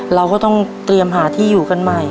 เราก็ต้องเตรียมหาที่อยู่กันใหม่